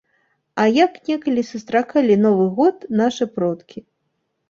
А як некалі сустракалі новы год нашы продкі?